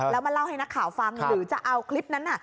แล้วมาเล่าให้นักข่าวฟังหรือจะเอาคลิปนั้น